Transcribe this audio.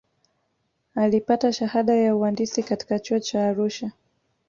alipata shahada ya uandisi katika chuo cha arusha